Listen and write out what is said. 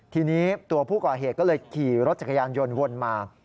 ทีนี้ตัวผู้ก่อเหตุก็เลยขี่รถจักรยานยนต์วนมา